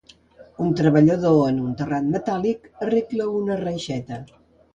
Un treballador en un terrat metàl·lic arregla una reixeta